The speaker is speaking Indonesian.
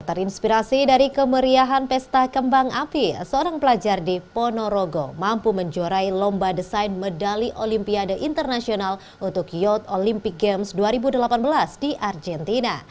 terinspirasi dari kemeriahan pesta kembang api seorang pelajar di ponorogo mampu menjuarai lomba desain medali olimpiade internasional untuk youth olympic games dua ribu delapan belas di argentina